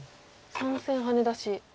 ３線ハネ出し。